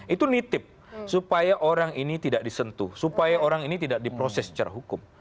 itu nitip supaya orang ini tidak disentuh supaya orang ini tidak diproses secara hukum